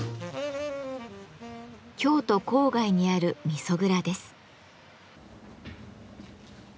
京都郊外にある味噌蔵です。